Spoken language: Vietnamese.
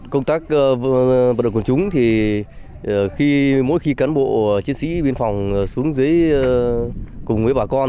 công tác vật động quần chúng thì mỗi khi cán bộ chiến sĩ biên phòng xuống dưới cùng với bà con